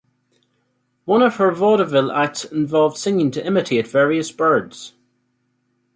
One of her vaudeville acts involved singing to imitate various birds.